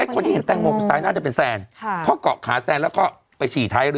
คนที่เห็นแตงโมคนซ้ายน่าจะเป็นแซนเพราะเกาะขาแซนแล้วก็ไปฉี่ท้ายเรือ